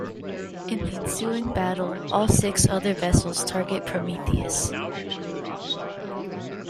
In the ensuing battle, all six other vessels target "Prometheus".